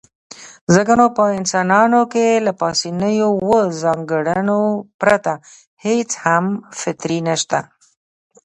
ځکه نو په انسانانو کې له پاسنيو اووو ځانګړنو پرته هېڅ هم فطري نشته.